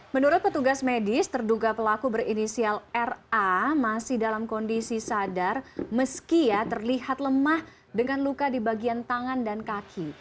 menurut petugas medis terduga pelaku berinisial ra masih dalam kondisi sadar meski ya terlihat lemah dengan luka di bagian tangan dan kaki